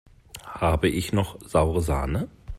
Habe ich noch saure Sahne?